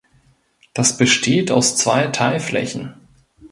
Das besteht aus zwei Teilflächen.